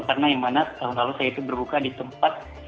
karena yang mana tahun lalu saya itu berbuka di tempat